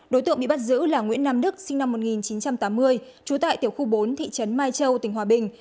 đối tượng bị bắt giữ là nguyễn nam đức sinh năm một nghìn chín trăm tám mươi trú tại tiểu khu bốn thị trấn mai châu tỉnh hòa bình